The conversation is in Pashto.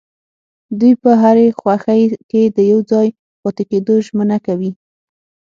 دوی په هرې خوښۍ کې د يوځای پاتې کيدو ژمنه کوي.